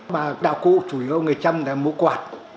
và đạo cụ chủ yếu người trăm là múa quạt